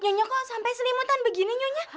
nyonya kok sampai selimutan begini nyonya